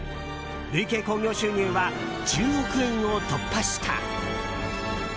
累計興行収入は１０億円を突破した。